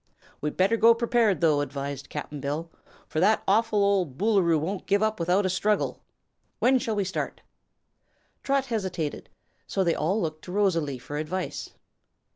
"We'd better go prepared, though," advised Cap'n Bill, "fer that awful ol' Boolooroo won't give up without a struggle. When shall we start?" Trot hesitated, so they all looked to Rosalie for advice.